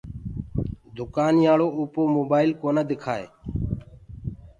دُڪآنيآݪو اوپو موبآئل ڪونآ دِڪآئي۔